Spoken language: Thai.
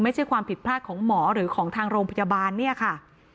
ไม่ใช่ความผิดพลาดของหมอหรือของทางโรงพยาบาลเนี่ยค่ะ